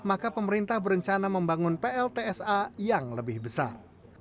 maka pemerintah berencana membangun pltsa yang lebih besar